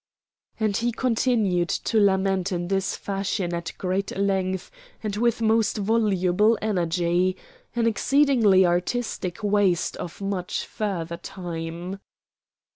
And he continued to lament in this fashion at great length and with most voluble energy an exceedingly artistic waste of much further time.